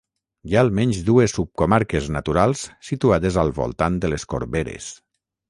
Hi ha almenys dues subcomarques naturals situades al voltant de les Corberes.